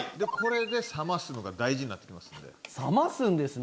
これで冷ますのが大事になってきますんで。